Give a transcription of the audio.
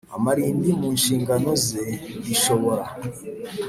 Amarimbi mu nshingano ze rishobora